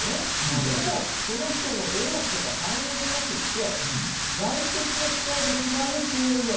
それもその人の努力とか才能じゃなくって外的な力で決まるって言うんです。